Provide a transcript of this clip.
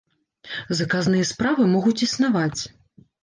Заказныя справы могуць існаваць.